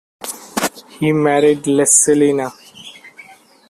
He married Lescelina.